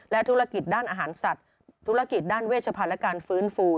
ธุรกิจด้านอาหารสัตว์ธุรกิจด้านเวชพันธ์และการฟื้นฟู